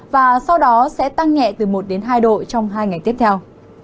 và sau đó sẽ tăng nhẹ từ một đến hai độ trong hai ngày tiếp theo